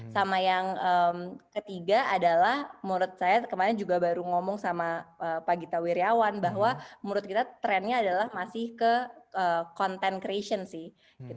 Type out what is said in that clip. sama yang ketiga adalah menurut saya kemarin juga baru ngomong sama pak gita wirjawan bahwa menurut kita trennya adalah masih ke content creation sih